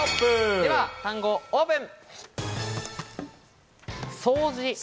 では単語をオープン。